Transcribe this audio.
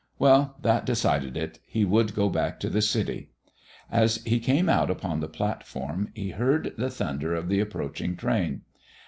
Well, that decided it; he would go back to the city. As he came out upon the platform he heard the thunder of the approaching train.